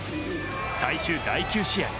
最終第９試合。